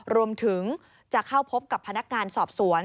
รวมถึงจะเข้าพบกับพนักงานสอบสวน